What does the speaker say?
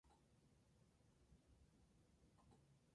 Estudió psicología e historia en la universidad de Friburgo y en París.